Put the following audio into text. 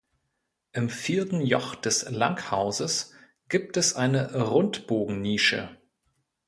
Im vierten Joch des Langhauses gibt es eine Rundbogennische.